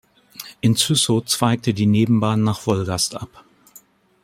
In Züssow zweigte die Nebenbahn nach Wolgast ab.